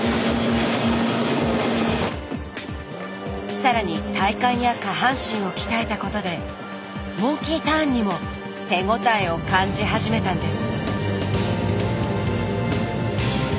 更に体幹や下半身を鍛えたことでモンキーターンにも手応えを感じ始めたんです。